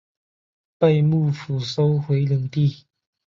被幕府收回领地。